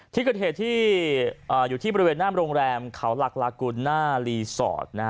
ที่เกิดเหตุที่อยู่ที่บริเวณหน้าโรงแรมเขาหลักลากุลหน้ารีสอร์ท